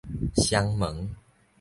雙門